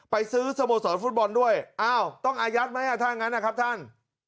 ไปซื้อสโมสรฟุตบอลด้วยอ้าวต้องอายัดไหมถ้างั้นนะครับท่าน